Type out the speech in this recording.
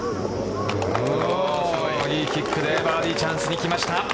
いいキックでバーディーチャンスにきました。